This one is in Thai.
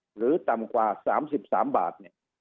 หรือต่ำกว่า๓๓บาท